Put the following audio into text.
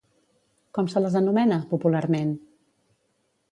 Com se les anomena, popularment?